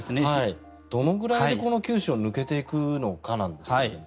どのくらいで九州を抜けていくかなんですが。